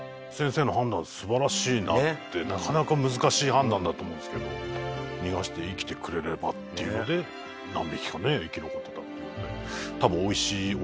なかなか難しい判断だと思うんですけど逃がして生きてくれればっていうので何匹か生き残ってたっていうので。